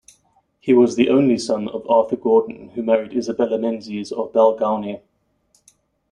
He was the only son of Arthur Gordon who married Isabella Menzies of Balgownie.